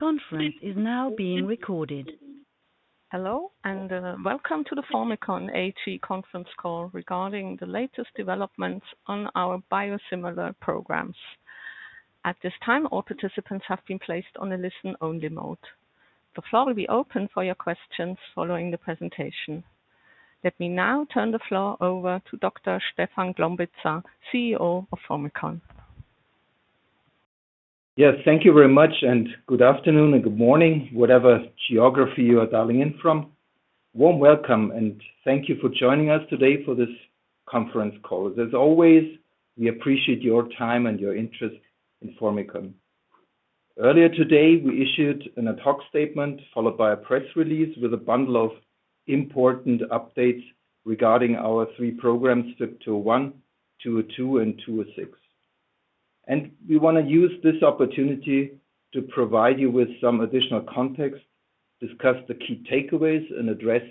Conference is now being recorded. Hello, and welcome to the Formycon AG conference call regarding the latest developments on our biosimilar programs. At this time, all participants have been placed on a listen-only mode. The floor will be open for your questions following the presentation. Let me now turn the floor over to Dr. Stefan Glombitza, CEO of Formycon. Yes, thank you very much, and good afternoon and good morning, whatever geography you are dialing in from. Warm welcome, and thank you for joining us today for this conference call. As always, we appreciate your time and your interest in Formycon. Earlier today, we issued an ad hoc statement followed by a press release with a bundle of important updates regarding our three programs, FYB201, FYB202, and FYB206, and we want to use this opportunity to provide you with some additional context, discuss the key takeaways, and address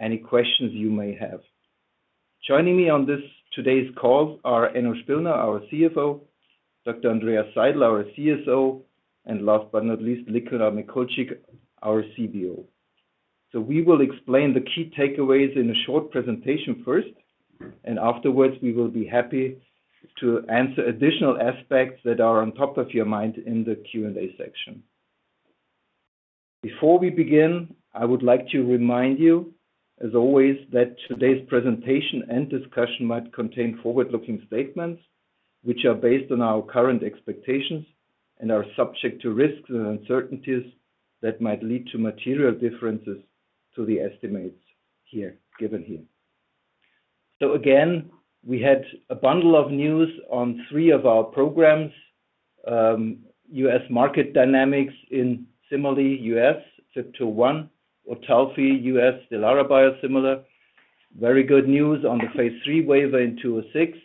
any questions you may have. Joining me on today's call are Enno Spillner, our CFO, Dr. Andreas Seidl, our CSO, and last but not least, Nicola Mikulcik, our CBO. We will explain the key takeaways in a short presentation first, and afterwards, we will be happy to answer additional aspects that are on top of your mind in the Q&A section. Before we begin, I would like to remind you, as always, that today's presentation and discussion might contain forward-looking statements which are based on our current expectations and are subject to risks and uncertainties that might lead to material differences to the estimates given here. Again, we had a bundle of news on three of our programs: U.S. market dynamics in Cimerli U.S., FYB201; Otulfi U.S., Stelara biosimilar; very good news on the Phase III waiver in 206;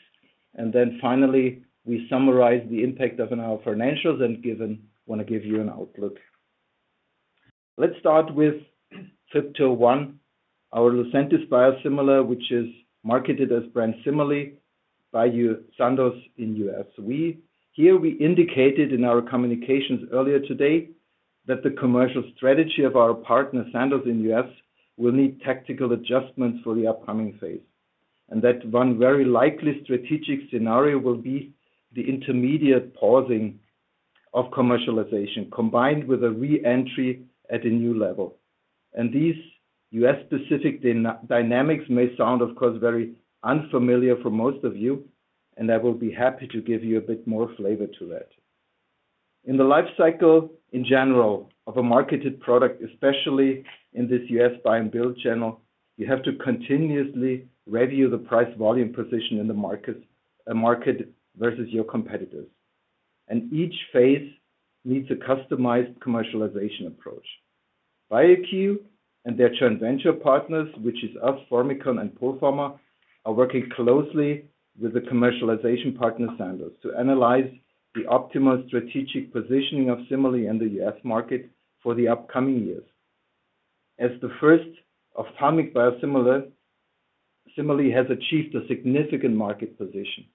and then finally, we summarized the impact of our financials and want to give you an outlook. Let's start with FYB201, our Lucentis biosimilar, which is marketed as brand Cimerli by Sandoz in U.S.. Here, we indicated in our communications earlier today that the commercial strategy of our partner Sandoz in the U.S. will need tactical adjustments for the upcoming phase, and that one very likely strategic scenario will be the intermediate pausing of commercialization combined with a re-entry at a new level, and these U.S.-specific dynamics may sound, of course, very unfamiliar for most of you, and I will be happy to give you a bit more flavor to that. In the life cycle in general of a marketed product, especially in this U.S. buy-and-build channel, you have to continuously review the price-volume position in the market versus your competitors, and each phase needs a customized commercialization approach. Bioeq and their joint venture partners, which is us, Formycon and Polpharma, are working closely with the commercialization partner Sandoz to analyze the optimal strategic positioning of Cimerli in the U.S. market for the upcoming years. As the first ophthalmic biosimilar, Cimerli has achieved a significant market position,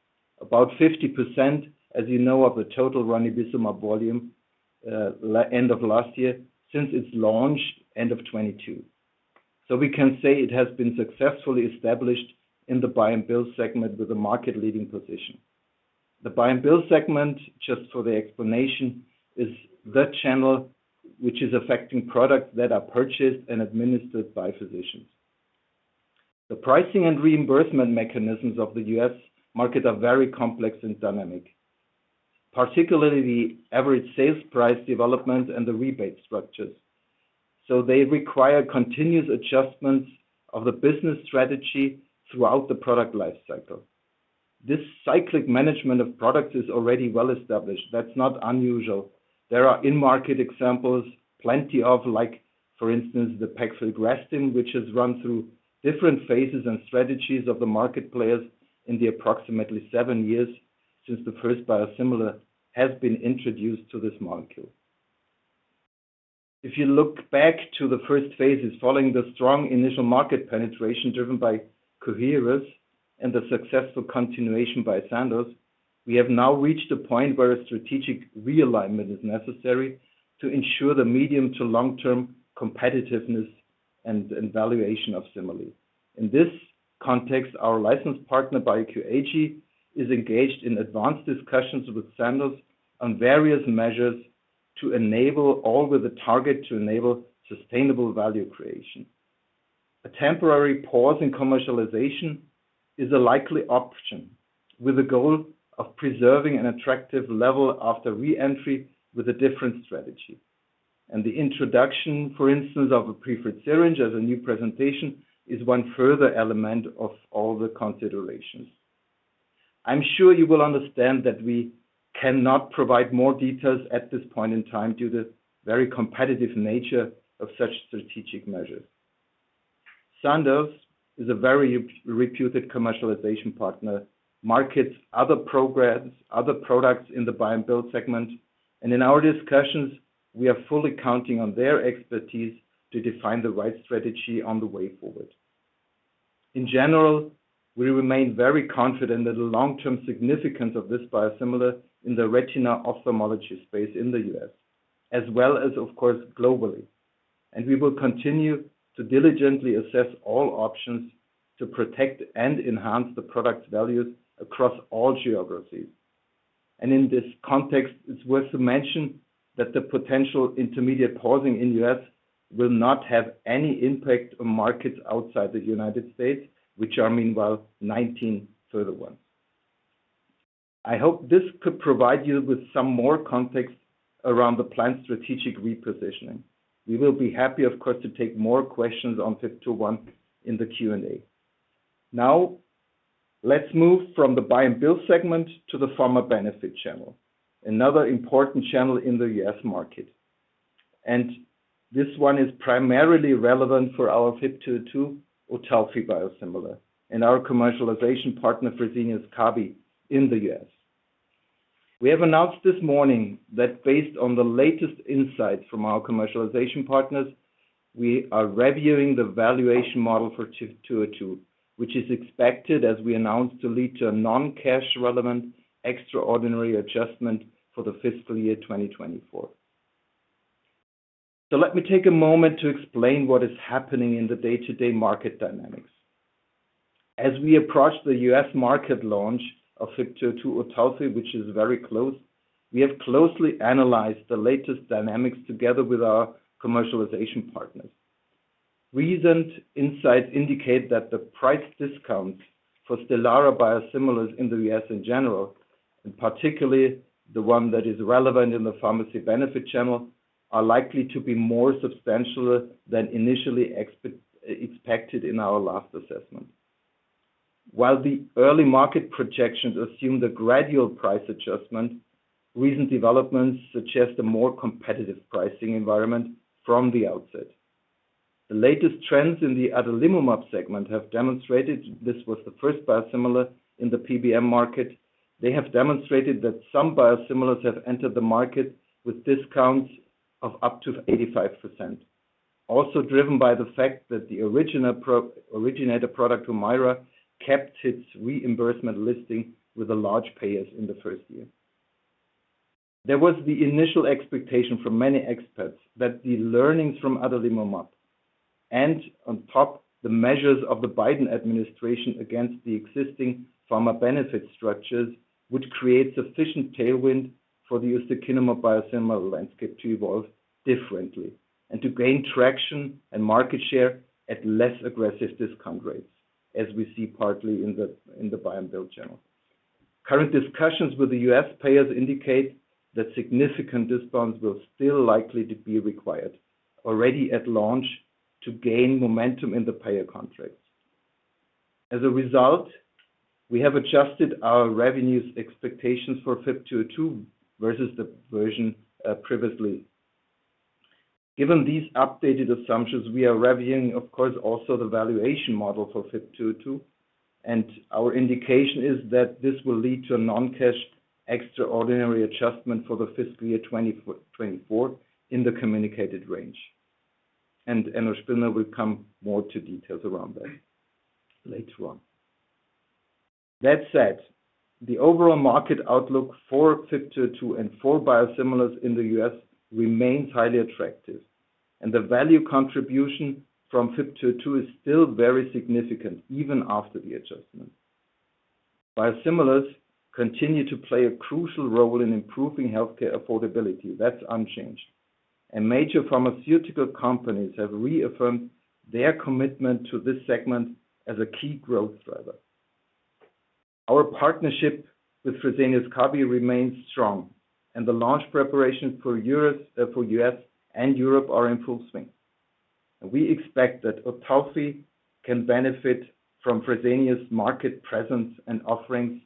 about 50%, as you know, of the total ranibizumab volume end of last year since its launch end of 2022. So we can say it has been successfully established in the buy-and-build segment with a market-leading position. The buy-and-build segment, just for the explanation, is the channel which is affecting products that are purchased and administered by physicians. The pricing and reimbursement mechanisms of the U.S. market are very complex and dynamic, particularly the average sales price development and the rebate structures. So they require continuous adjustments of the business strategy throughout the product life cycle. This cyclic management of products is already well established. That's not unusual. There are in-market examples, plenty of, like for instance, the pegfilgrastim, which has run through different phases and strategies of the market players in the approximately seven years since the first biosimilar has been introduced to this market. If you look back to the first phases following the strong initial market penetration driven by Coherus and the successful continuation by Sandoz, we have now reached a point where a strategic realignment is necessary to ensure the medium to long-term competitiveness and valuation of Cimerli. In this context, our licensed partner Bioeq AG is engaged in advanced discussions with Sandoz on various measures to enable, all with the target to enable sustainable value creation. A temporary pause in commercialization is a likely option with the goal of preserving an attractive level after re-entry with a different strategy. And the introduction, for instance, of a preferred syringe as a new presentation is one further element of all the considerations. I'm sure you will understand that we cannot provide more details at this point in time due to the very competitive nature of such strategic measures. Sandoz is a very reputed commercialization partner, markets other programs, other products in the buy-and-build segment, and in our discussions, we are fully counting on their expertise to define the right strategy on the way forward. In general, we remain very confident in the long-term significance of this biosimilar in the retina ophthalmology space in the U.S., as well as, of course, globally. And we will continue to diligently assess all options to protect and enhance the product values across all geographies. And in this context, it's worth mentioning that the potential intermediate pausing in the U.S. will not have any impact on markets outside the United States, which are meanwhile 19 further ones. I hope this could provide you with some more context around the planned strategic repositioning. We will be happy, of course, to take more questions on FYB201 in the Q&A. Now, let's move from the buy-and-build segment to the pharma benefit channel, another important channel in the U.S. market. And this one is primarily relevant for our FYB202 Otulfi biosimilar and our commercialization partner Fresenius Kabi in the U.S.. We have announced this morning that based on the latest insights from our commercialization partners, we are reviewing the valuation model for FYB202, which is expected, as we announced, to lead to a non-cash relevant extraordinary adjustment for the fiscal year 2024. Let me take a moment to explain what is happening in the day-to-day market dynamics. As we approach the U.S. market launch of FYB202 Otulfi, which is very close, we have closely analyzed the latest dynamics together with our commercialization partners. Recent insights indicate that the price discounts for Stelara biosimilars in the U.S. in general, and particularly the one that is relevant in the pharmacy benefit channel, are likely to be more substantial than initially expected in our last assessment. While the early market projections assume the gradual price adjustment, recent developments suggest a more competitive pricing environment from the outset. The latest trends in the adalimumab segment have demonstrated this was the first biosimilar in the PBM market. They have demonstrated that some biosimilars have entered the market with discounts of up to 85%, also driven by the fact that the originator product Humira kept its reimbursement listing with the large payers in the first year. There was the initial expectation from many experts that the learnings from adalimumab and, on top, the measures of the Biden administration against the existing pharma benefit structures would create sufficient tailwind for the ustekinumab biosimilar landscape to evolve differently and to gain traction and market share at less aggressive discount rates, as we see partly in the buy-and-build channel. Current discussions with the U.S. payers indicate that significant discounts will still likely be required already at launch to gain momentum in the payer contracts. As a result, we have adjusted our revenues expectations for FYB202 versus the version previously. Given these updated assumptions, we are reviewing, of course, also the valuation model for FYB202, and our indication is that this will lead to a non-cash extraordinary adjustment for the fiscal year 2024 in the communicated range, and Enno Spillner will come more to details around that later on. That said, the overall market outlook for FYB202 and for biosimilars in the U.S. remains highly attractive, and the value contribution from FYB202 is still very significant even after the adjustment. Biosimilars continue to play a crucial role in improving healthcare affordability. That's unchanged, and major pharmaceutical companies have reaffirmed their commitment to this segment as a key growth driver. Our partnership with Fresenius Kabi remains strong, and the launch preparations for U.S. and Europe are in full swing. We expect that Otulfi can benefit from Fresenius' market presence and offerings,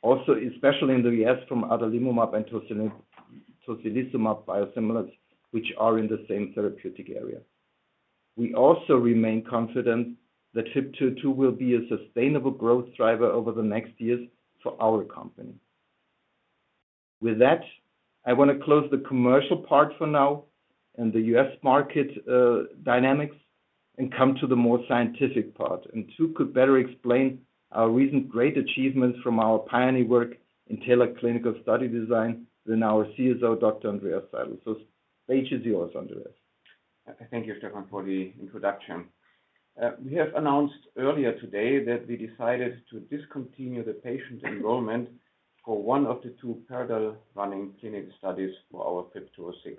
also especially in the U.S. from adalimumab and tocilizumab biosimilars, which are in the same therapeutic area. We also remain confident that FYB202 will be a sustainable growth driver over the next years for our company. With that, I want to close the commercial part for now and the U.S. market dynamics and come to the more scientific part. Who could better explain our recent great achievements from our pioneer work in the clinical study design than our CSO, Dr. Andreas Seidl? The stage is yours, Andreas. Thank you, Stefan, for the introduction. We have announced earlier today that we decided to discontinue the patient enrollment for one of the two parallel running clinical studies for our FYB206.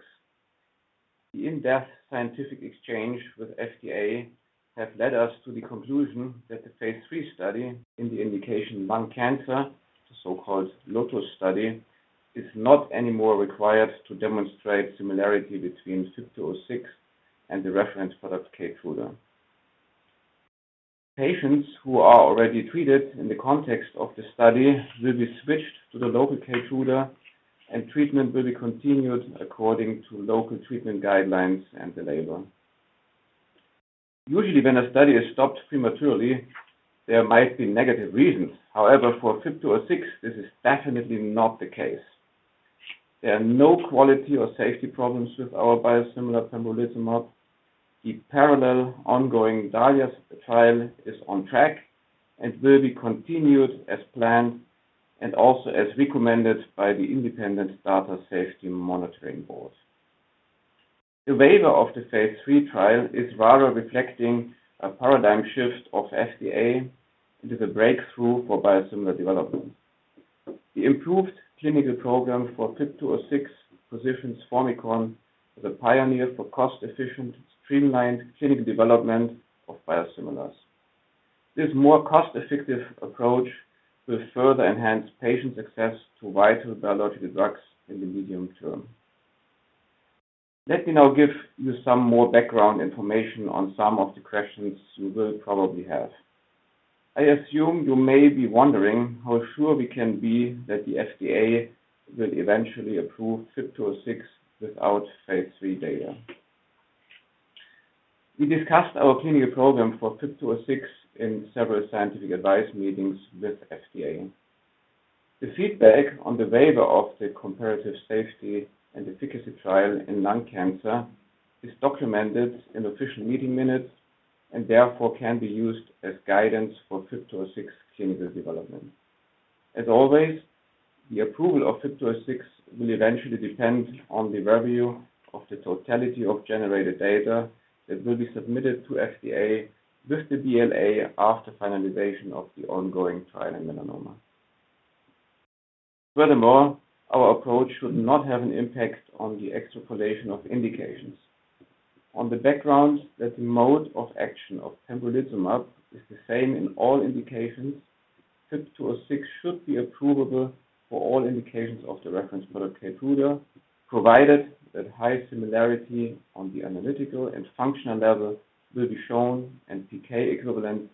The in-depth scientific exchange with FDA has led us to the conclusion that the Phase III study in the indication lung cancer, the so-called LOTUS study, is not anymore required to demonstrate similarity between FYB206 and the reference product Keytruda. Patients who are already treated in the context of the study will be switched to the local Keytruda, and treatment will be continued according to local treatment guidelines and the label. Usually, when a study is stopped prematurely, there might be negative reasons. However, for FYB206, this is definitely not the case. There are no quality or safety problems with our biosimilar pembrolizumab. The parallel ongoing DALIA trial is on track and will be continued as planned and also as recommended by the Independent Data Safety Monitoring Board. The waiver of the Phase III trial is rather reflecting a paradigm shift of FDA into the breakthrough for biosimilar development. The improved clinical program for FYB206 positions Formycon as a pioneer for cost-efficient, streamlined clinical development of biosimilars. This more cost-effective approach will further enhance patient acess to vital biological drugs in the medium term. Let me now give you some more background information on some of the questions you will probably have. I assume you may be wondering how sure we can be that the FDA will eventually approve FYB206 without Phase III data. We discussed our clinical program for FYB206 in several scientific advice meetings with FDA. The feedback on the waiver of the comparative safety and efficacy trial in lung cancer is documented in official meeting minutes and therefore can be used as guidance for FYB206 clinical development. As always, the approval of FYB206 will eventually depend on the review of the totality of generated data that will be submitted to FDA with the BLA after finalization of the ongoing trial in melanoma. Furthermore, our approach should not have an impact on the extrapolation of indications. On the background that the mode of action of pembrolizumab is the same in all indications, FYB206 should be approvable for all indications of the reference product Keytruda, provided that high similarity on the analytical and functional level will be shown and PK equivalence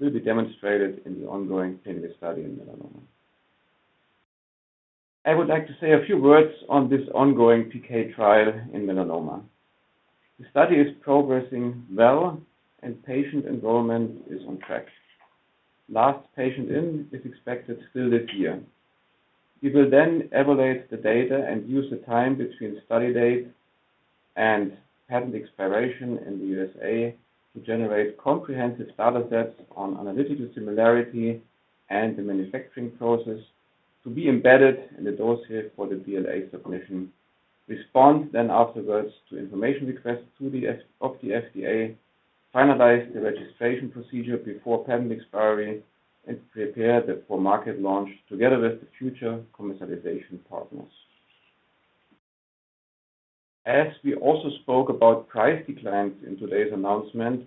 will be demonstrated in the ongoing clinical study in melanoma. I would like to say a few words on this ongoing PK trial in melanoma. The study is progressing well, and patient enrollment is on track. Last patient in is expected still this year. We will then evaluate the data and use the time between study date and patent expiration in the U.S. to generate comprehensive data sets on analytical similarity and the manufacturing process to be embedded in the dossier for the BLA submission, respond then afterwards to information requests of the FDA, finalize the registration procedure before patent expiry, and prepare for market launch together with the future commercialization partners. As we also spoke about price declines in today's announcement,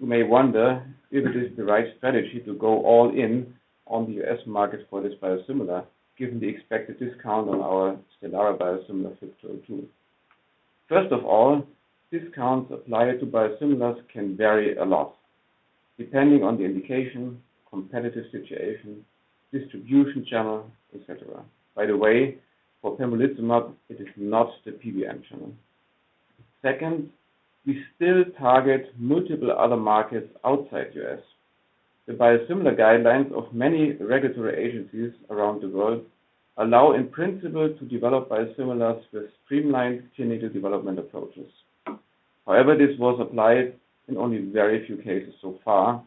you may wonder if it is the right strategy to go all in on the U.S. market for this biosimilar given the expected discount on our Stelara biosimilar FYB202. First of all, discounts applied to biosimilars can vary a lot depending on the indication, competitive situation, distribution channel, etc. By the way, for pembrolizumab, it is not the PBM channel. Second, we still target multiple other markets outside the U.S. The biosimilar guidelines of many regulatory agencies around the world allow, in principle, to develop biosimilars with streamlined clinical development approaches. However, this was applied in only very few cases so far.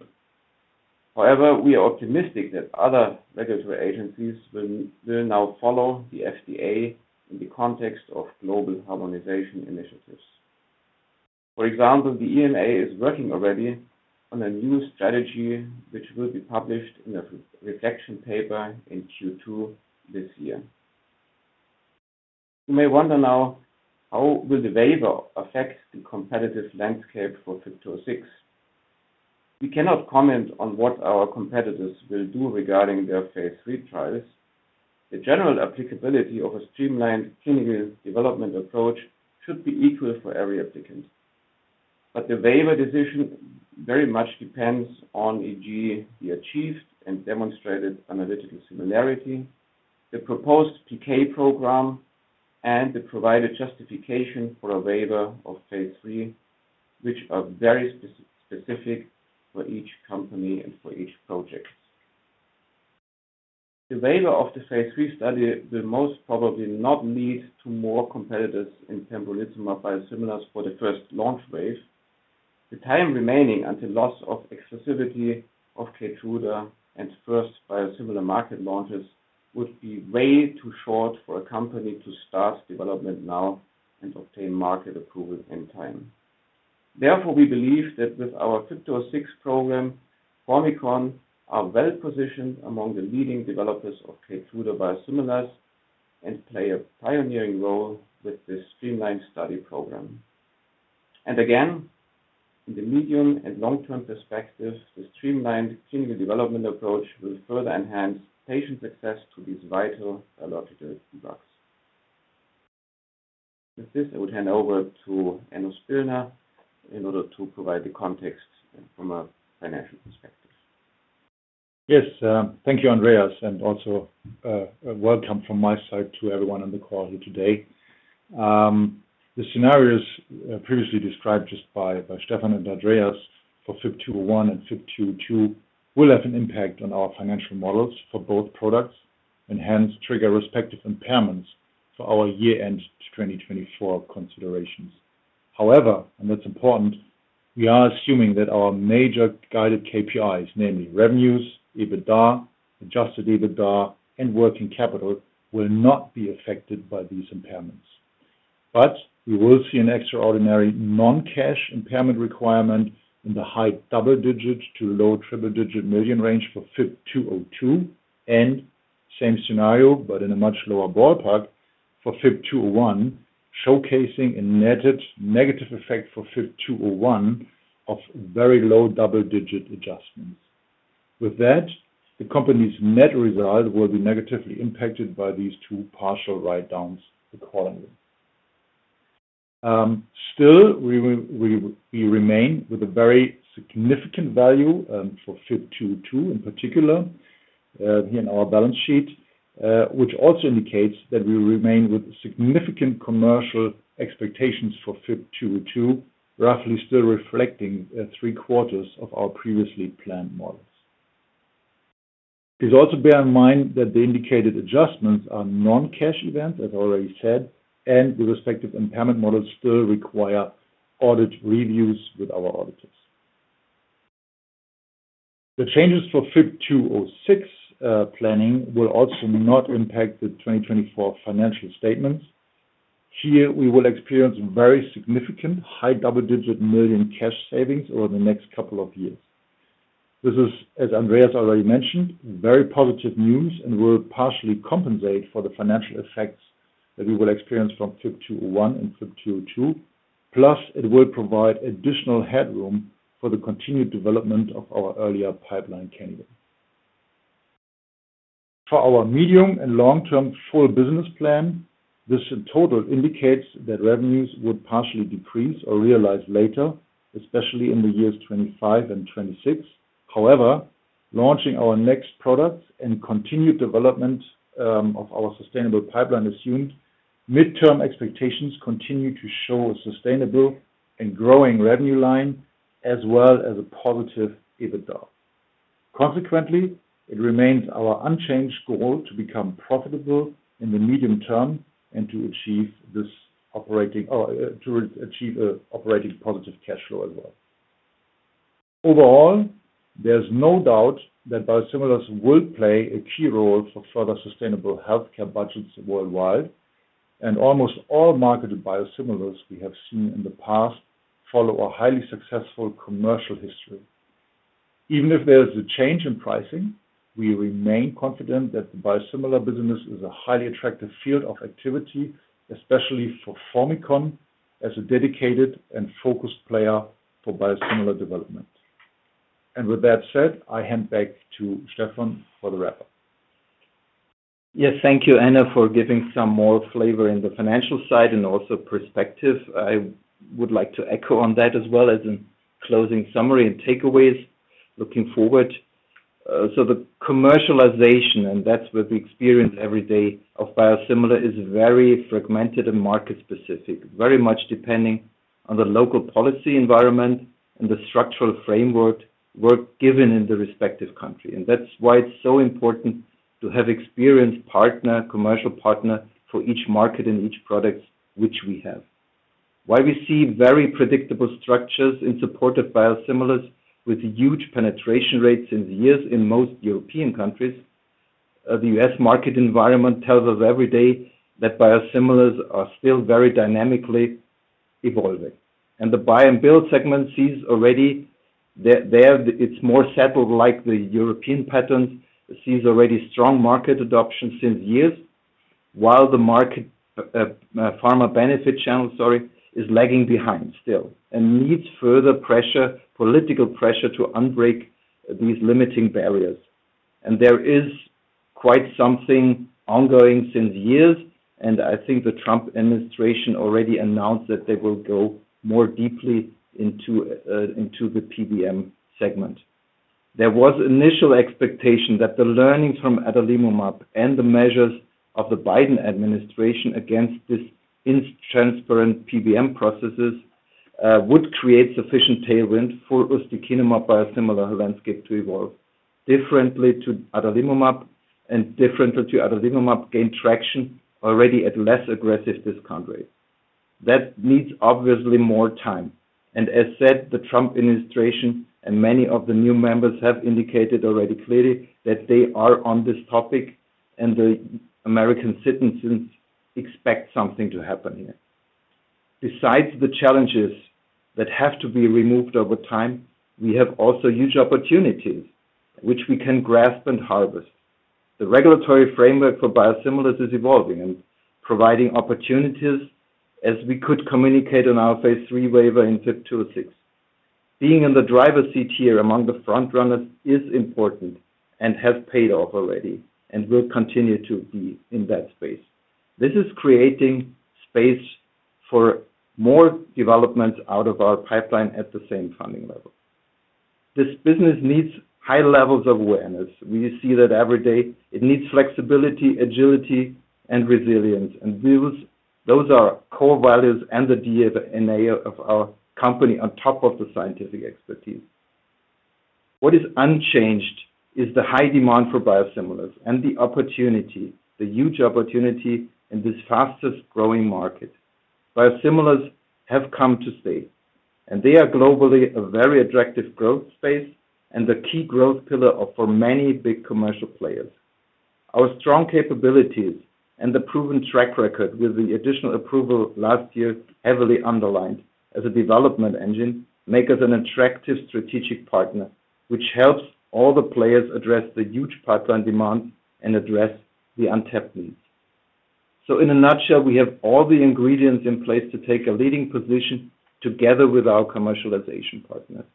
However, we are optimistic that other regulatory agencies will now follow the FDA in the context of global harmonization initiatives. For example, the EMA is working already on a new strategy, which will be published in a reflection paper in Q2 this year. You may wonder now, how will the waiver affect the competitive landscape for FYB206? We cannot comment on what our competitors will do regarding their Phase III trials. The general applicability of a streamlined clinical development approach should be equal for every applicant. But the waiver decision very much depends on, e.g., the achieved and demonstrated analytical similarity, the proposed PK program, and the provided justification for a waiver of Phase III, which are very specific for each company and for each project. The waiver of the Phase III study will most probably not lead to more competitors in pembrolizumab biosimilars for the first launch wave. The time remaining until loss of exclusivity of Keytruda and first biosimilar market launches would be way too short for a company to start development now and obtain market approval in time. Therefore, we believe that with our FYB206 program, Formycon are well positioned among the leading developers of Keytruda biosimilars and play a pioneering role with the streamlined study program. And again, in the medium and long-term perspective, the streamlined clinical development approach will further enhance patient acess to these vital biological drugs. With this, I would hand over to Enno Spillner in order to provide the context from a financial perspective. Yes, thank you, Andreas, and also a welcome from my side to everyone on the call here today. The scenarios previously described just by Stefan and Andreas for FYB201 and FYB202 will have an impact on our financial models for both products and hence trigger respective impairments for our year-end 2024 considerations. However, and that's important, we are assuming that our major guided KPIs, namely revenues, EBITDA, adjusted EBITDA, and working capital, will not be affected by these impairments, but we will see an extraordinary non-cash impairment requirement in the high double-digit to low triple-digit million range for FYB202, and same scenario, but in a much lower ballpark for FYB201, showcasing a netted negative effect for FYB201 of very low double-digit adjustments. With that, the company's net result will be negatively impacted by these two partial write-downs accordingly. Still, we remain with a very significant value for FYB202 in particular here in our balance sheet, which also indicates that we remain with significant commercial expectations for FYB202, roughly still reflecting three-quarters of our previously planned models. Please also bear in mind that the indicated adjustments are non-cash events, as I already said, and the respective impairment models still require audit reviews with our auditors. The changes for FYB206 planning will also not impact the 2024 financial statements. Here, we will experience very significant high double-digit million cash savings over the next couple of years. This is, as Andreas already mentioned, very positive news and will partially compensate for the financial effects that we will experience from FYB201 and FYB202, plus it will provide additional headroom for the continued development of our earlier pipeline candidate. For our medium- and long-term full business plan, this in total indicates that revenues would partially decrease or realize later, especially in the years 2025 and 2026. However, launching our next products and continued development of our sustainable pipeline assumed midterm expectations continue to show a sustainable and growing revenue line as well as a positive EBITDA. Consequently, it remains our unchanged goal to become profitable in the medium term and to achieve an operating positive cash flow as well. Overall, there's no doubt that biosimilars will play a key role for further sustainable healthcare budgets worldwide, and almost all marketed biosimilars we have seen in the past follow a highly successful commercial history. Even if there's a change in pricing, we remain confident that the biosimilar business is a highly attractive field of activity, especially for Formycon as a dedicated and focused player for biosimilar development. And with that said, I hand back to Stefan for the wrapper. Yes, thank you, Enno, for giving some more flavor in the financial side and also perspective. I would like to echo on that as well as in closing summary and takeaways, looking forward. So the commercialization, and that's what we experience every day of biosimilar, is very fragmented and market-specific, very much depending on the local policy environment and the structural framework given in the respective country. That's why it's so important to have experienced partner, commercial partner for each market and each product which we have. While we see very predictable structures in support of biosimilars with huge penetration rates in the years in most European countries, the U.S. market environment tells us every day that biosimilars are still very dynamically evolving. The buy-and-build segment sees already there. It's more settled like the European patterns, sees already strong market adoption since years, while the pharmacy benefit channel, sorry, is lagging behind still and needs further pressure, political pressure to break these limiting barriers. There is quite something ongoing since years, and I think the Trump administration already announced that they will go more deeply into the PBM segment. There was initial expectation that the learnings from adalimumab and the measures of the Biden administration against these nontransparent PBM processes would create sufficient tailwind for ustekinumab biosimilar landscape to evolve differently to adalimumab and differently to adalimumab gain traction already at less aggressive discount rate. That needs obviously more time, and as said, the Trump administration and many of the new members have indicated already clearly that they are on this topic, and the American citizens expect something to happen here. Besides the challenges that have to be removed over time, we have also huge opportunities which we can grasp and harvest. The regulatory framework for biosimilars is evolving and providing opportunities as we could communicate on our Phase III waiver in FYB206. Being in the driver's seat here among the front runners is important and has paid off already and will continue to be in that space. This is creating space for more developments out of our pipeline at the same funding level. This business needs high levels of awareness. We see that every day. It needs flexibility, agility, and resilience. And those are core values and the DNA of our company on top of the scientific expertise. What is unchanged is the high demand for biosimilars and the opportunity, the huge opportunity in this fastest growing market. Biosimilars have come to stay, and they are globally a very attractive growth space and the key growth pillar for many big commercial players. Our strong capabilities and the proven track record with the additional approval last year heavily underlined as a development engine make us an attractive strategic partner, which helps all the players address the huge pipeline demands and address the untapped needs. So in a nutshell, we have all the ingredients in place to take a leading position together with our commercialization partners.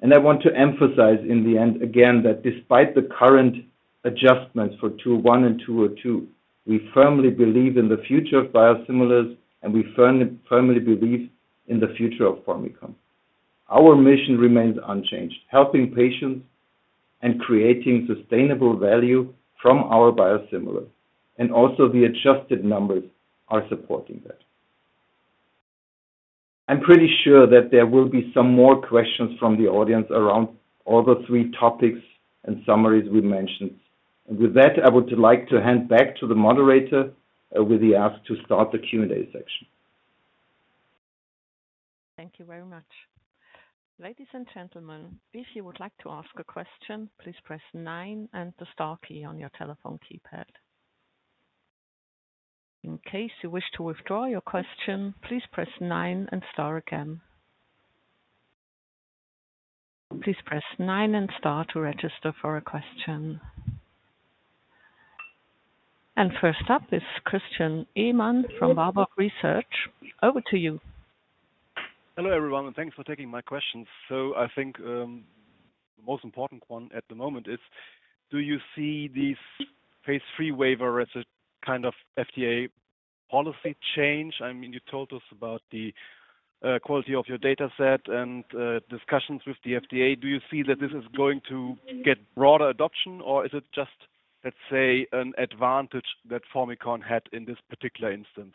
And I want to emphasize in the end again that despite the current adjustments for FYB201 and FYB202, we firmly believe in the future of biosimilars, and we firmly believe in the future of Formycon. Our mission remains unchanged, helping patients and creating sustainable value from our biosimilars. And also the adjusted numbers are supporting that. I'm pretty sure that there will be some more questions from the audience around all the three topics and summaries we mentioned. And with that, I would like to hand back to the moderator with the ask to start the Q&A section. Thank you very much. Ladies and gentlemen, if you would like to ask a question, please press nine and the star key on your telephone keypad. In case you wish to withdraw your question, please press nine and star again. Please press nine and star to register for a question. And first up is Christian Ehmann from Warburg Research. Over to you. Hello everyone, and thanks for taking my questions. So I think the most important one at the moment is, do you see the Phase III waiver as a kind of FDA policy change? I mean, you told us about the quality of your data set and discussions with the FDA. Do you see that this is going to get broader adoption, or is it just, let's say, an advantage that Formycon had in this particular instance?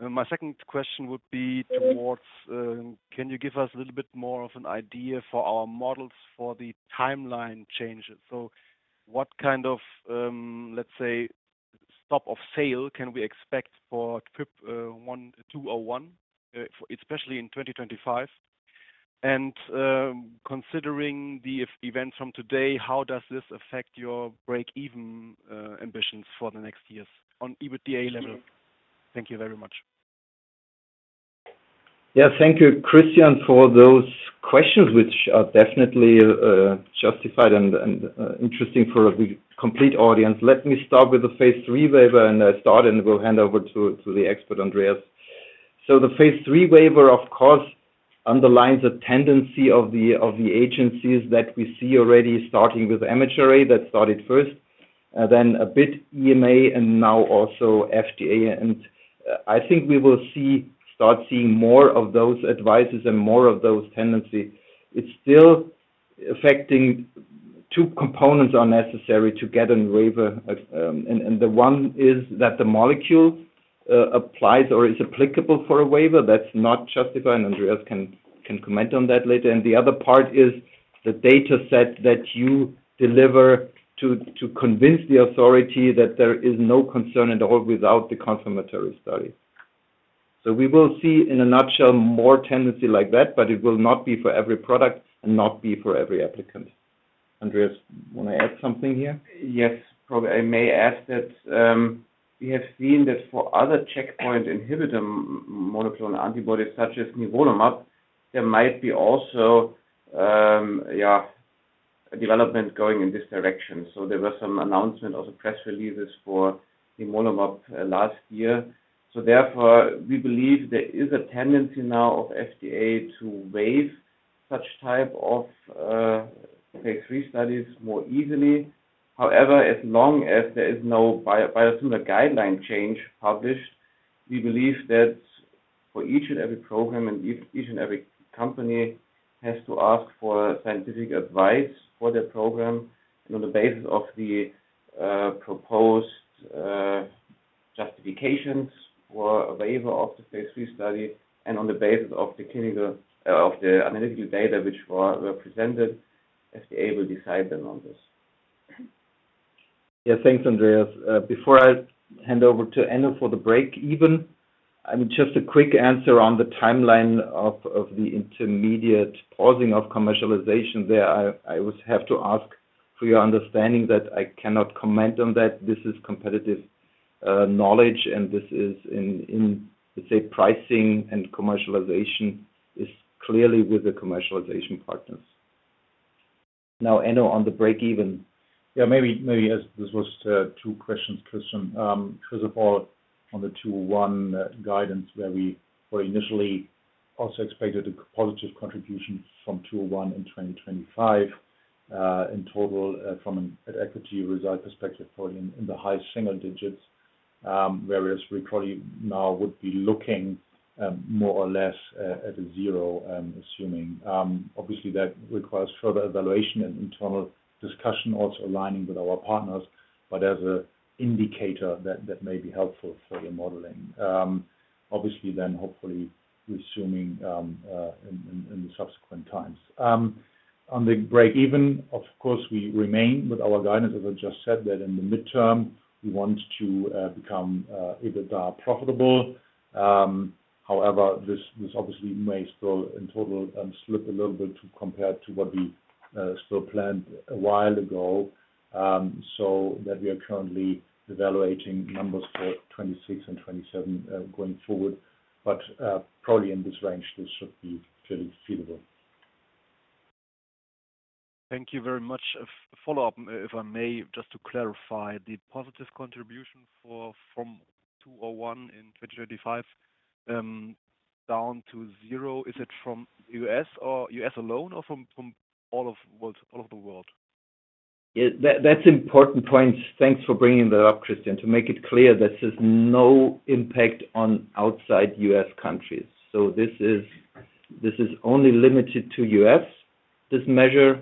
My second question would be towards, can you give us a little bit more of an idea for our models for the timeline changes? So what kind of, let's say, stop of sale can we expect for FYB201, especially in 2025? And considering the events from today, how does this affect your break-even ambitions for the next years on EBITDA level? Thank you very much. Yeah, thank you, Christian, for those questions, which are definitely justified and interesting for the complete audience. Let me start with the Phase III waiver, and I'll start, and we'll hand over to the expert Andreas. So the Phase III waiver, of course, underlines a tendency of the agencies that we see already, starting with adalimumab that started first, then a bit EMA, and now also FDA. And I think we will start seeing more of those advices and more of those tendencies. It's still affecting two components that are necessary to get a waiver. And the one is that the molecule applies or is applicable for a waiver that's not justified, and Andreas can comment on that later. And the other part is the data set that you deliver to convince the authority that there is no concern at all without the confirmatory study. So we will see in a nutshell more tendency like that, but it will not be for every product and not be for every applicant. Andreas, want to add something here? Yes, probably I may add that we have seen that for other checkpoint inhibitor monoclonal antibodies such as nivolumab, there might be also, yeah, development going in this direction. So there were some announcements of the press releases for nivolumab last year. So therefore, we believe there is a tendency now of FDA to waive such type of Phase III studies more easily. However, as long as there is no biosimilar guideline change published, we believe that for each and every program and each and every company has to ask for scientific advice for their program on the basis of the proposed justifications for a waiver of the Phase III study and on the basis of the analytical data which were presented. FDA will decide then on this. Yeah, thanks, Andreas. Before I hand over to Enno for the break-even, I mean, just a quick answer on the timeline of the intermediate pausing of commercialization there. I always have to ask for your understanding that I cannot comment on that. This is competitive knowledge, and this is in, let's say, pricing and commercialization is clearly with the commercialization partners. Now, Enno on the break-even. Yeah, maybe as this was two questions, Christian. First of all, on the FYB201 guidance where we initially also expected a positive contribution from FYB201 in 2025 in total from an equity result perspective, probably in the high single digits, whereas we probably now would be looking more or less at a zero, assuming. Obviously, that requires further evaluation and internal discussion, also aligning with our partners, but as an indicator that may be helpful for your modeling. Obviously, then hopefully resuming in the subsequent times. On the break-even, of course, we remain with our guidance, as I just said, that in the midterm, we want to become EBITDA profitable. However, this obviously may still in total slip a little bit compared to what we still planned a while ago, so that we are currently evaluating numbers for 2026 and 2027 going forward. But probably in this range, this should be fairly feasible. Thank you very much. A follow-up, if I may, just to clarify the positive contribution from FYB201 in 2025 down to zero, is it from the U.S. or U.S. alone or from all of the world? Yeah, that's important points. Thanks for bringing that up, Christian. To make it clear, this is no impact on outside U.S. countries. So this is only limited to U.S., this measure,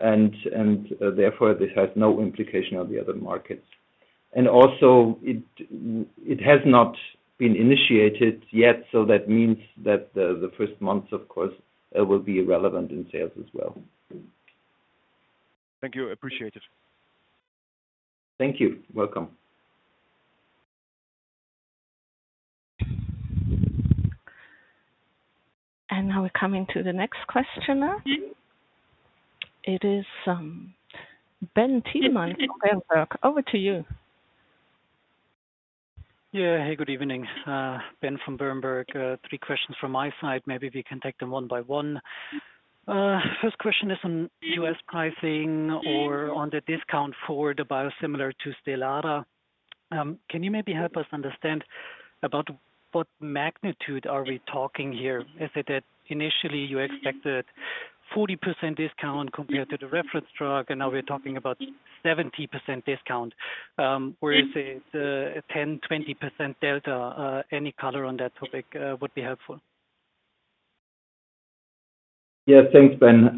and therefore this has no implication on the other markets. And also, it has not been initiated yet, so that means that the first months, of course, will be relevant in sales as well. Thank you. Appreciate it. Thank you. Welcome. And now we're coming to the next questioner. It is Ben Thielmann from Berenberg. Over to you. Yeah, hey, good evening. Ben from Berenberg. Three questions from my side. Maybe we can take them one by one. First question is on U.S. pricing or on the discount for the biosimilar to Stelara. Can you maybe help us understand about what magnitude are we talking here? Is it that initially you expected 40% discount compared to the reference drug, and now we're talking about 70% discount? Or is it a 10%, 20% delta? Any color on that topic would be helpful. Yeah, thanks, Ben.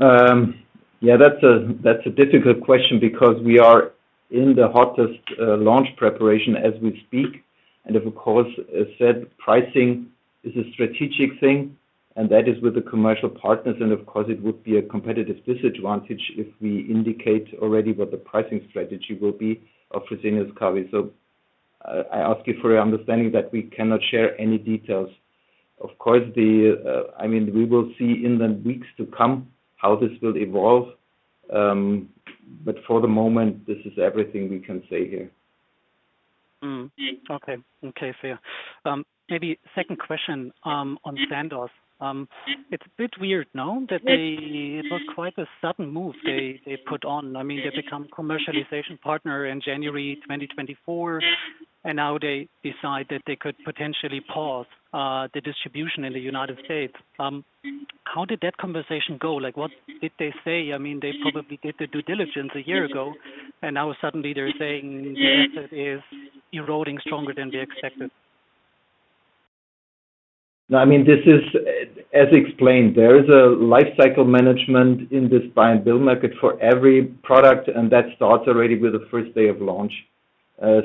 Yeah, that's a difficult question because we are in the hottest launch preparation as we speak. And of course, as said, pricing is a strategic thing, and that is with the commercial partners. And of course, it would be a competitive disadvantage if we indicate already what the pricing strategy will be of ustekinumab. So I ask you for your understanding that we cannot share any details. Of course, I mean, we will see in the weeks to come how this will evolve. But for the moment, this is everything we can say here. Okay. Okay, fair. Maybe second question on Sandoz. It's a bit weird, no? That it was quite a sudden move they put on. I mean, they became a commercialization partner in January 2024, and now they decide that they could potentially pause the distribution in the United States. How did that conversation go? What did they say? I mean, they probably did the due diligence a year ago, and now suddenly they're saying the asset is eroding stronger than they expected. No, I mean, this is, as explained, there is a lifecycle management in this buy-and-build market for every product, and that starts already with the first day of launch.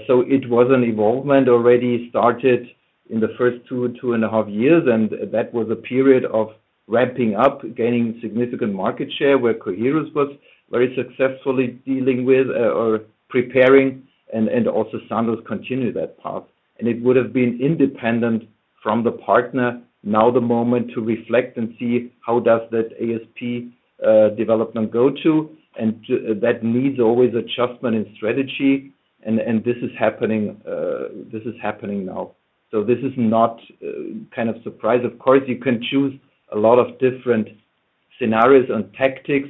So it was an evolution already started in the first two, 2.5 years, and that was a period of ramping up, gaining significant market share where Coherus was very successfully dealing with or preparing, and also Sandoz continued that path. And it would have been independent from the partner. Now the moment to reflect and see how does that ASP development go to. And that needs always adjustment in strategy, and this is happening now. So this is not kind of surprise. Of course, you can choose a lot of different scenarios and tactics.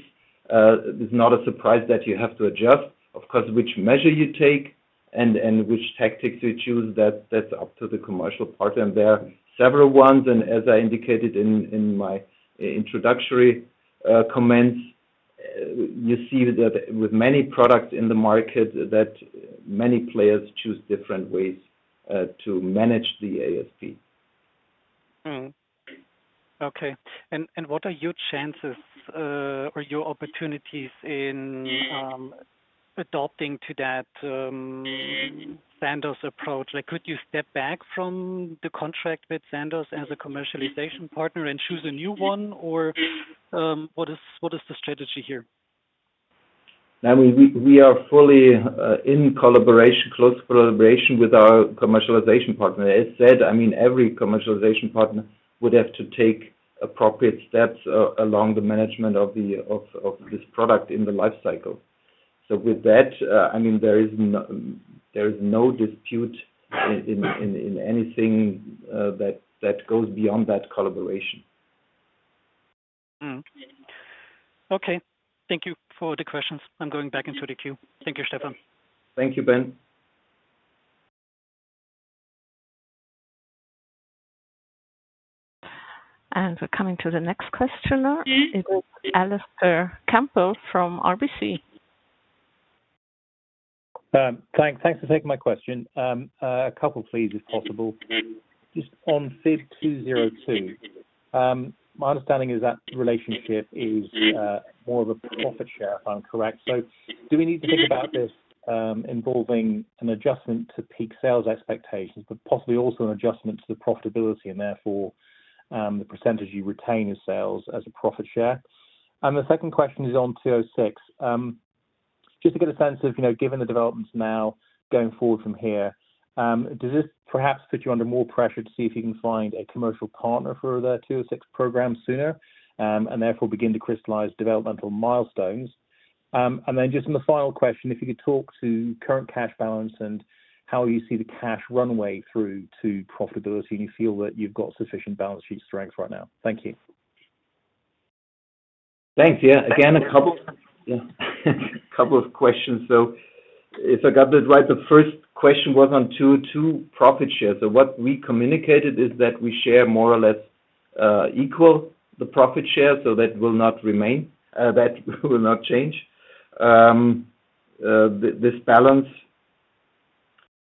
It's not a surprise that you have to adjust, of course, which measure you take and which tactics you choose. That's up to the commercial partner. And there are several ones, and as I indicated in my introductory comments, you see that with many products in the market that many players choose different ways to manage the ASP. Okay. And what are your chances or your opportunities in adapting to that Sandoz approach? Could you step back from the contract with Sandoz as a commercialization partner and choose a new one or what is the strategy here? I mean, we are fully in close collaboration with our commercialization partner. As said, I mean, every commercialization partner would have to take appropriate steps along the management of this product in the lifecycle. So with that, I mean, there is no dispute in anything that goes beyond that collaboration. Okay. Thank you for the questions. I'm going back into the queue. Thank you, Stefan. Thank you, Ben. And we're coming to the next questioner. It is Alastair Campbell from RBC. Thanks for taking my question. A couple, please, if possible. Just on FYB202, my understanding is that relationship is more of a profit share, if I'm correct. So do we need to think about this involving an adjustment to peak sales expectations, but possibly also an adjustment to the profitability and therefore the percentage you retain in sales as a profit share? And the second question is on FYB206. Just to get a sense of, given the developments now going forward from here, does this perhaps put you under more pressure to see if you can find a commercial partner for the FYB206 program sooner and therefore begin to crystallize developmental milestones? And then, just in the final question, if you could talk to current cash balance and how you see the cash runway through to profitability and you feel that you've got sufficient balance sheet strength right now. Thank you. Thanks. Yeah. Again, a couple of questions. So if I got that right, the first question was on FYB202 profit share. So what we communicated is that we share more or less equal the profit share, so that will not remain. That will not change. This balance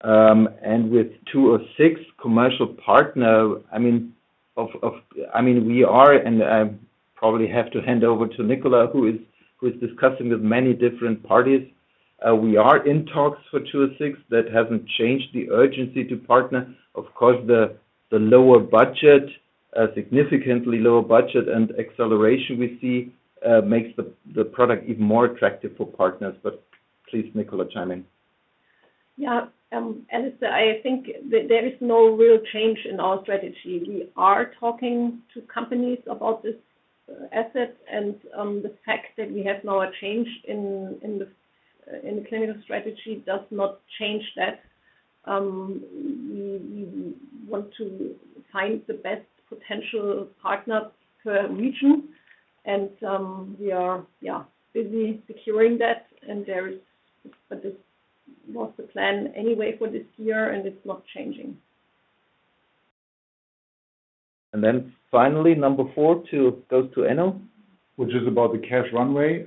and with FYB206 commercial partner, I mean, we are, and I probably have to hand over to Nicola, who is discussing with many different parties. We are in talks for FYB206. That hasn't changed the urgency to partner. Of course, the lower budget, significantly lower budget and acceleration we see makes the product even more attractive for partners. But please, Nicola, chime in. Yeah. Alastair, I think there is no real change in our strategy. We are talking to companies about this asset, and the fact that we have now a change in the clinical strategy does not change that. We want to find the best potential partner per region, and we are busy securing that, and that was the plan anyway for this year, and it's not changing. And then finally, number four goes to Enno. Which is about the cash runway.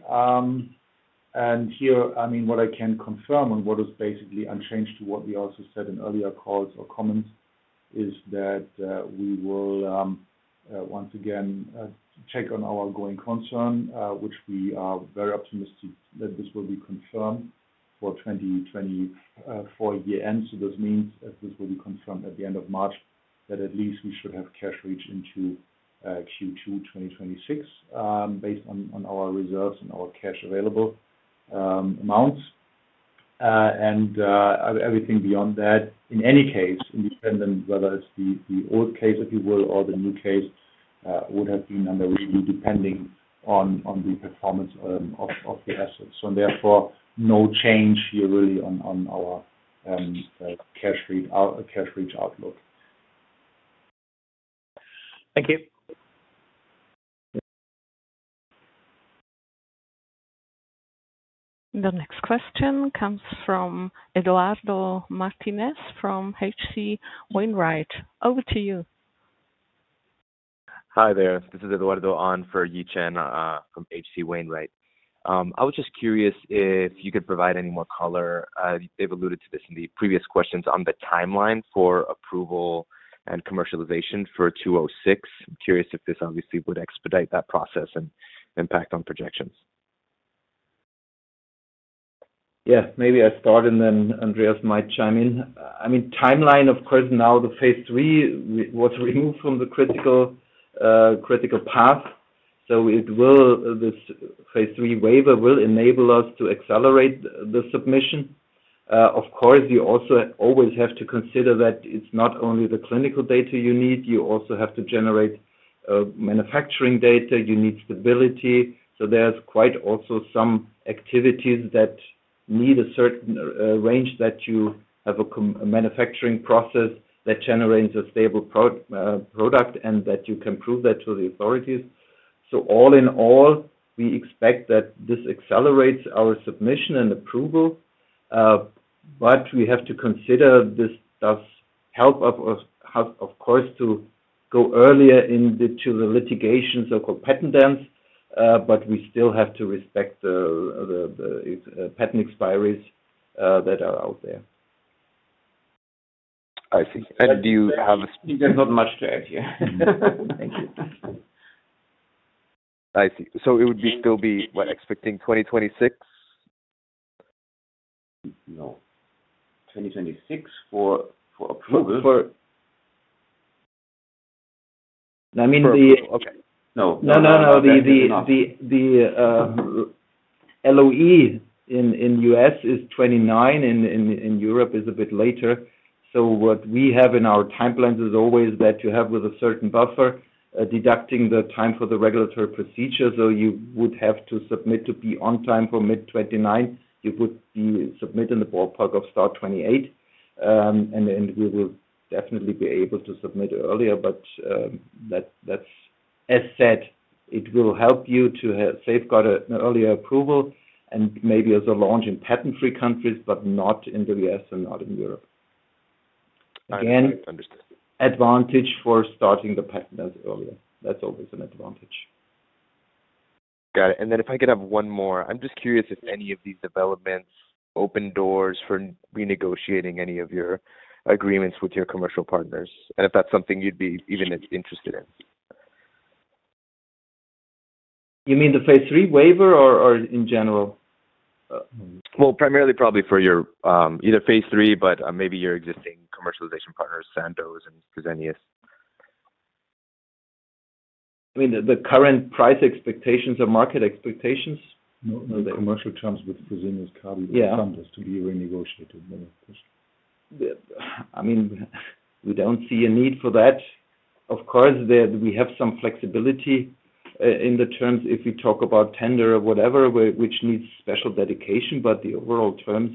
And here, I mean, what I can confirm and what is basically unchanged to what we also said in earlier calls or comments is that we will once again check on our going concern, which we are very optimistic that this will be confirmed for 2024 year-end. So this means this will be confirmed at the end of March, that at least we should have cash reached into Q2 2026 based on our reserves and our cash available amounts. And everything beyond that, in any case, independent whether it's the old case, if you will, or the new case, would have been under review depending on the performance of the assets. So therefore, no change here really on our cash reach outlook. Thank you. The next question comes from Eduardo Martinez from H.C. Wainwright. Over to you. Hi there. This is Eduardo on for Yi Chen from H.C. Wainwright. I was just curious if you could provide any more color. They've alluded to this in the previous questions on the timeline for approval and commercialization for 206. I'm curious if this obviously would expedite that process and impact on projections. Yeah, maybe I'll start, and then Andreas might chime in. I mean, timeline, of course, now the Phase III was removed from the critical path. So this Phase III waiver will enable us to accelerate the submission. Of course, you also always have to consider that it's not only the clinical data you need. You also have to generate manufacturing data. You need stability. So there's quite also some activities that need a certain range that you have a manufacturing process that generates a stable product and that you can prove that to the authorities. So all in all, we expect that this accelerates our submission and approval, but we have to consider this does help us, of course, to go earlier into the litigation, so-called patent dance, but we still have to respect the patent expiries that are out there. I see. And do you have a? There's not much to add here. Thank you. I see. So it would still be what? Expecting 2026? No. 2026 for approval? The LOE in U.S. is 2029. In Europe, it's a bit later. So what we have in our timeplans is always that you have with a certain buffer deducting the time for the regulatory procedure. So you would have to submit to be on time for mid-2029. You would be submitting the ballpark of start 2028, and then we will definitely be able to submit earlier. But as said, it will help you to safeguard an earlier approval and maybe as a launch in patent-free countries, but not in the U.S. and not in Europe. Again, advantage for starting the patent as earlier. That's always an advantage. Got it. And then, if I could have one more, I'm just curious if any of these developments open doors for renegotiating any of your agreements with your commercial partners, and if that's something you'd be even interested in. You mean the Phase III waiver or in general? Well, primarily probably for either Phase III, but maybe your existing commercialization partners, Sandoz and Fresenius Kabi. I mean, the current price expectations or market expectations? No, no. The commercial terms with Fresenius Kabi and Sandoz to be renegotiated. I mean, we don't see a need for that. Of course, we have some flexibility in the terms if we talk about tender or whatever, which needs special dedication, but the overall terms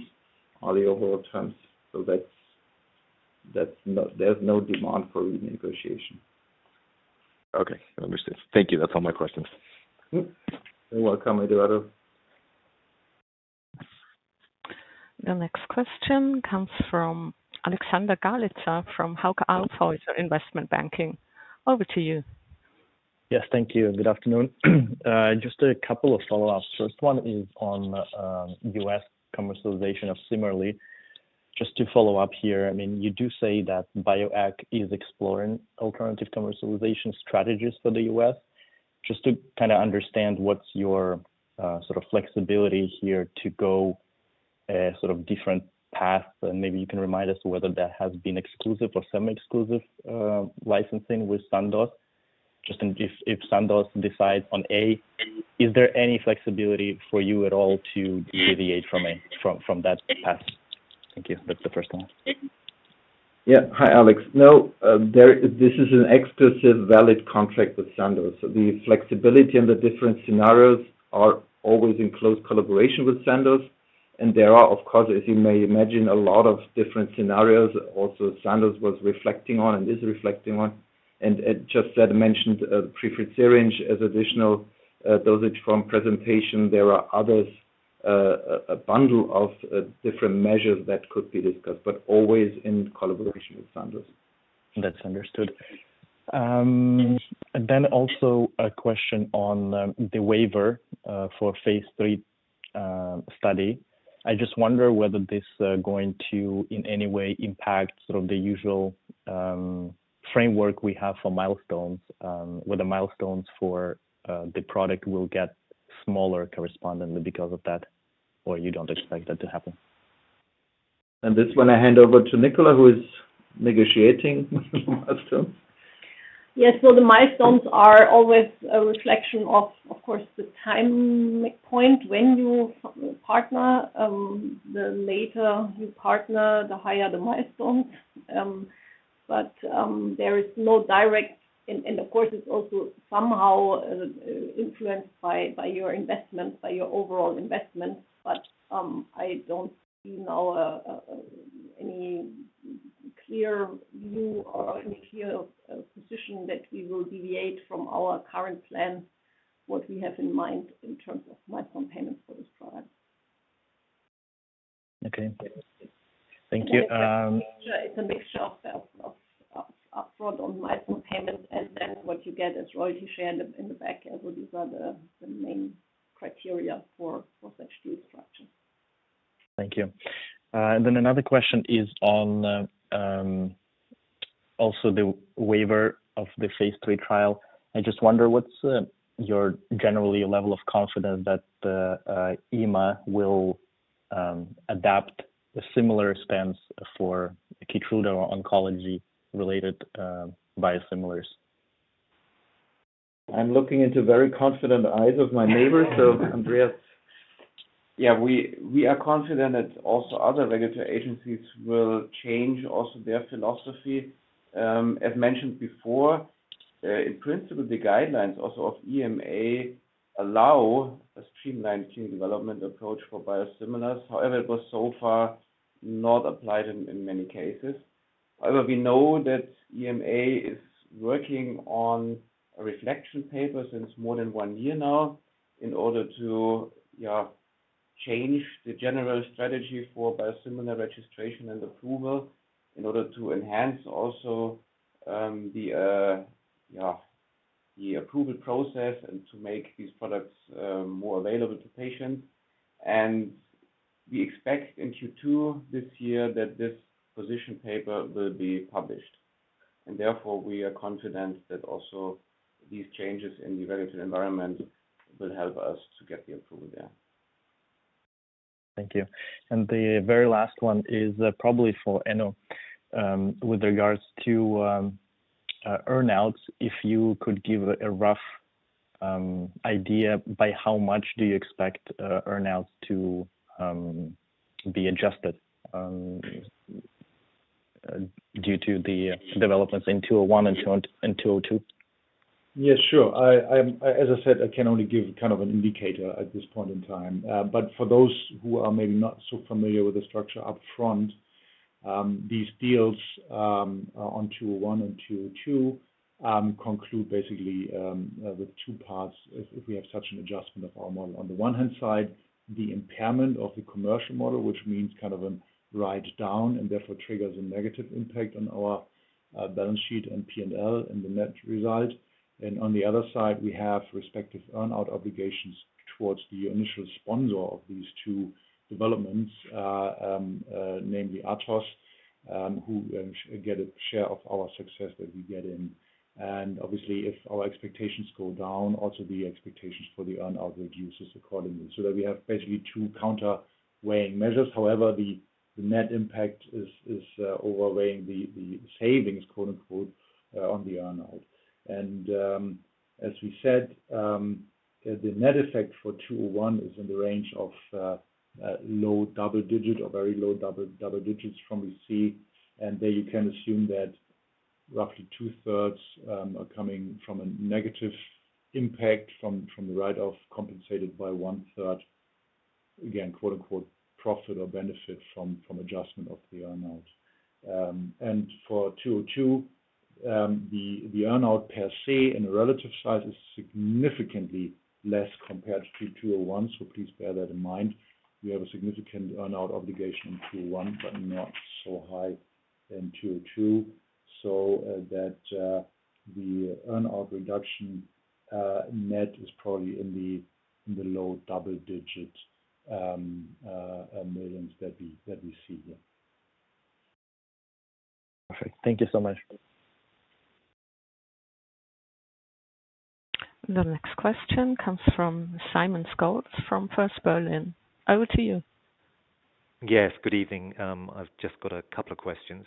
are the overall terms. So there's no demand for renegotiation. Okay. Understood. Thank you. That's all my questions. You're welcome, Eduardo. The next question comes from Alexander Galitsa from Hauck Aufhäuser Investment Banking. Over to you. Yes, thank you. Good afternoon. Just a couple of follow-ups. First one is on U.S. commercialization of Cimerli. Just to follow up here, I mean, you do say that Bioeq is exploring alternative commercialization strategies for the U.S. Just to kind of understand what's your sort of flexibility here to go a sort of different path, and maybe you can remind us whether that has been exclusive or semi-exclusive licensing with Sandoz. Just if Sandoz decides on A, is there any flexibility for you at all to deviate from that path? Thank you. That's the first one. Yeah. Hi, Alex. No, this is an exclusive valid contract with Sandoz. The flexibility and the different scenarios are always in close collaboration with Sandoz, and there are, of course, as you may imagine, a lot of different scenarios also Sandoz was reflecting on and is reflecting on. And just that I mentioned preferred syringe as additional dosage from presentation. There are others, a bundle of different measures that could be discussed, but always in collaboration with Sandoz. That's understood. And then also a question on the waiver for Phase III study. I just wonder whether this is going to in any way impact sort of the usual framework we have for milestones, whether milestones for the product will get smaller correspondingly because of that, or you don't expect that to happen. And this one, I hand over to Nicola, who is negotiating milestones. Yes. Well, the milestones are always a reflection of, of course, the time point when you partner. The later you partner, the higher the milestones. But there is no direct, and of course, it's also somehow influenced by your investment, by your overall investment. I don't see now any clear view or any clear position that we will deviate from our current plan, what we have in mind in terms of milestone payments for this product. Okay. Thank you. It's a mixture of upfront on milestone payments, and then what you get is royalty shared in the back. These are the main criteria for such deal structures. Thank you. Then another question is on also the waiver of the phase three trial. I just wonder what's your general level of confidence that EMA will adopt a similar stance for Keytruda or oncology-related biosimilars? I'm looking into very confident eyes of my neighbor, so Andreas. Yeah, we are confident that also other regulatory agencies will change also their philosophy. As mentioned before, in principle, the guidelines also of EMA allow a streamlined clinical development approach for biosimilars. However, it was so far not applied in many cases. However, we know that EMA is working on a reflection paper since more than one year now in order to change the general strategy for biosimilar registration and approval in order to enhance also the approval process and to make these products more available to patients. We expect in Q2 this year that this position paper will be published. Therefore, we are confident that also these changes in the regulatory environment will help us to get the approval there. Thank you. The very last one is probably for Enno with regards to earnouts. If you could give a rough idea by how much do you expect earnouts to be adjusted due to the developments in 201 and 202? Yeah, sure. As I said, I can only give kind of an indicator at this point in time. But for those who are maybe not so familiar with the structure upfront, these deals on FYB201 and FYB202 conclude basically with two parts if we have such an adjustment of our model. On the one hand side, the impairment of the commercial model, which means kind of a write-down and therefore triggers a negative impact on our balance sheet and P&L and the net result, and on the other side, we have respective earnout obligations towards the initial sponsor of these two developments, namely Athos, who get a share of our success that we get in, and obviously, if our expectations go down, also the expectations for the earnout reduce accordingly, so that we have basically two countervailing measures. However, the net impact is outweighing the savings, quote-unquote, on the earnout. As we said, the net effect for FYB201 is in the range of low double digit or very low double digits from what we see. And there you can assume that roughly 2/3 are coming from a negative impact from the write-off compensated by one-third, again, quote-unquote, profit or benefit from adjustment of the earnout. And for FYB202, the earnout per se in relative size is significantly less compared to FYB201. So please bear that in mind. We have a significant earnout obligation in FYB201, but not so high in FYB202. So that the earnout reduction net is probably in the low double digit millions that we see here. Perfect. Thank you so much. The next question comes from Simon Scholes from First Berlin. Over to you. Yes, good evening. I've just got a couple of questions.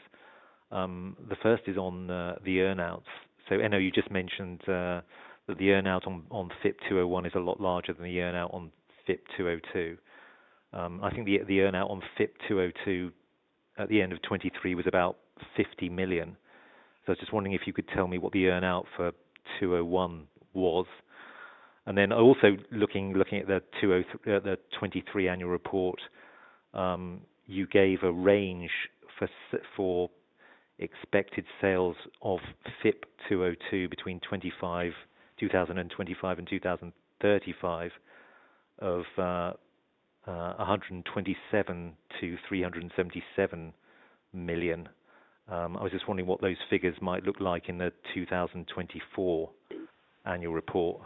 The first is on the earnouts. So I know you just mentioned that the earnout on FYB201 is a lot larger than the earnout on FYB202. I think the earnout on FYB202 at the end of 2023 was about 50 million. So I was just wondering if you could tell me what the earnout for FYB201 was. And then also looking at the 2023 annual report, you gave a range for expected sales of FYB202 between 2025 and 2035 of 127 million-377 million. I was just wondering what those figures might look like in the 2024 annual report.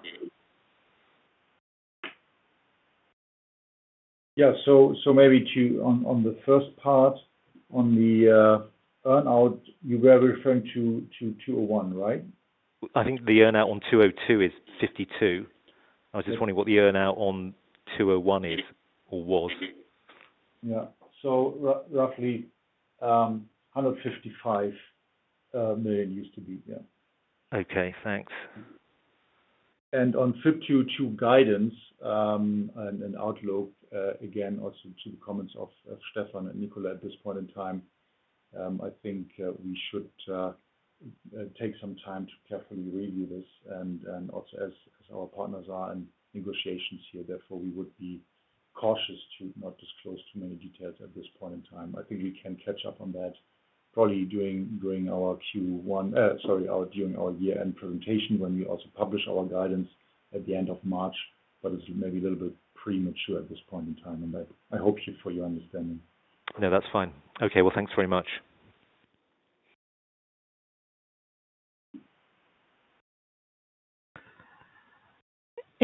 Yeah. So maybe on the first part, on the earnout, you were referring to FYB201, right? I think the earnout on FYB202 is 52 million. I was just wondering what the earnout on 201 is or was. Yeah. So roughly 155 million used to be. Yeah. Okay. Thanks. On FYB202 guidance and outlook, again, also to the comments of Stefan and Nicola at this point in time, I think we should take some time to carefully review this. And also, as our partners are in negotiations here, therefore, we would be cautious to not disclose too many details at this point in time. I think we can catch up on that probably during our Q1, sorry, during our year-end presentation when we also publish our guidance at the end of March, but it's maybe a little bit premature at this point in time. And I hope for your understanding. No, that's fine. Okay. Thanks very much.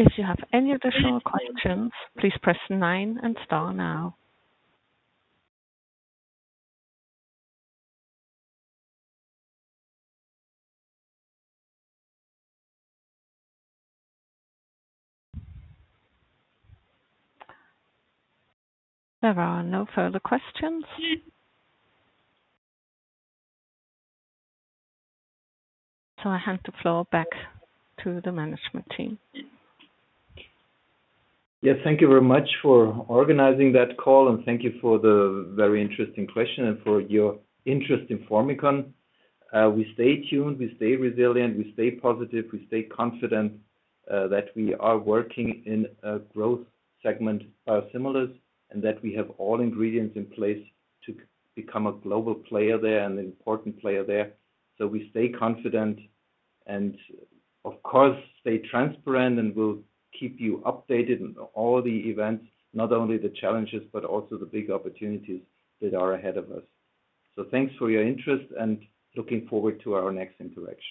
If you have any additional questions, please press nine and star now. There are no further questions. So I hand the floor back to the management team. Thank you very much for organizing that call, and thank you for the very interesting question and for your interest in Formycon. We stay tuned. We stay resilient. We stay positive. We stay confident that we are working in a growth segment, biosimilars and that we have all ingredients in place to become a global player there and an important player there. So we stay confident and, of course, stay transparent and will keep you updated on all the events, not only the challenges, but also the big opportunities that are ahead of us. So thanks for your interest, and looking forward to our next interaction.